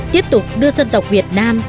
tiếp tục đưa dân tộc việt nam